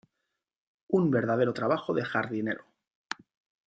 Un verdadero trabajo de jardinero".